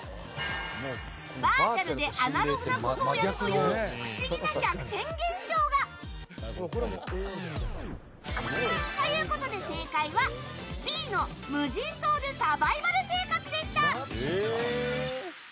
バーチャルでアナログなことをやるという不思議な逆転現象が。ということで正解は、Ｂの無人島でサバイバル生活でした。